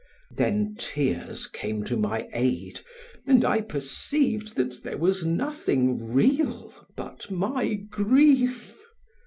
Then tears came to my aid and I perceived that there was nothing real but my grief.